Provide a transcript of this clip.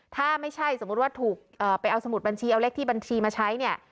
ถ้าไม่ใช่สมมุติว่าถูกไปเอาสมุดบัญชีเอาเลขที่บัญชีมาใช้เนี่ย